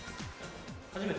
・初めて？